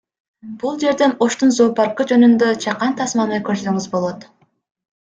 Бул жерден Оштун зоопаркы жөнүндө чакан тасманы көрсөңүз болот